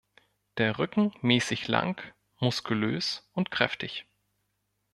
Der Rücken mäßig lang, muskulös und kräftig.